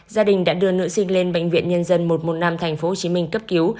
gia đình đã đưa nữ sinh lên bệnh viện nhân dân một trăm một mươi năm tp hcm cấp cứu